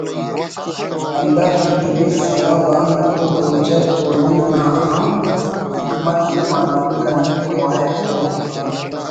ہندا فطری سوب آن او روچہ توننگ نا ہم حکمت ءِ معلوم کننگ خواہک تو